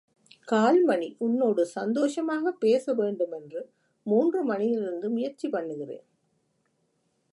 கால் மணி உன்னோடு சந்தோஷமாக பேச வேண்டுமென்று மூன்று மணியிலிருந்து முயற்சி பண்ணுகிறேன்.